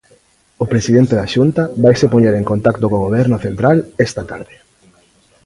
O presidente da Xunta vaise poñer en contacto co Goberno central esta tarde.